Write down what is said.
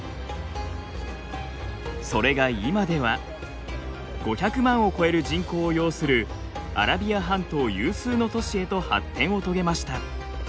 それが今では５００万を超える人口を擁するアラビア半島有数の都市へと発展を遂げました。